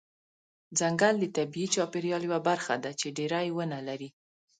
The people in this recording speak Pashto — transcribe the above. ځنګل د طبیعي چاپیریال یوه برخه ده چې ډیری ونه لري.